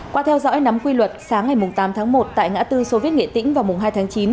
qua theo dõi nắm quy luật sáng ngày tám tháng một tại ngã tư soviet nghệ tĩnh vào mùng hai tháng chín